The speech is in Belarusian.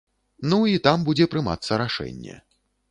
Ну, і там будзе прымацца рашэнне.